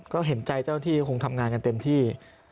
ก็เห็นใจเจ้าที่คงทำงานกันเต็มที่